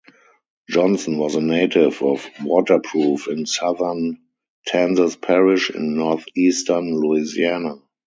Johnson was a native of Waterproof in southern Tensas Parish in northeastern Louisiana.